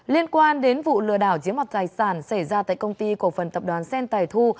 liên quan đến vụ lừa đảo giếm mặt tài sản xảy ra tại công ty cổ phần tập đoàn sen tài thu